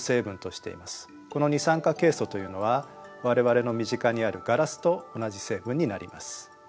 この二酸化ケイ素というのは我々の身近にあるガラスと同じ成分になります。